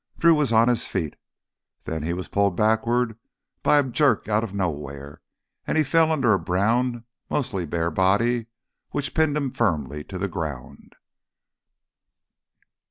Drew was on his feet. Then he was pulled backward by a jerk out of nowhere, and he fell under a brown, mostly bare body which pinned him firmly to the ground.